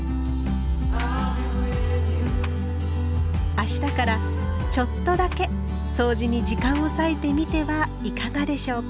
明日からちょっとだけそうじに時間を割いてみてはいかがでしょうか？